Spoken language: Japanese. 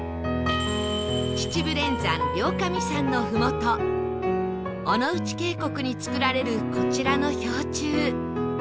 秩父連山両神山のふもと尾ノ内渓谷につくられるこちらの氷柱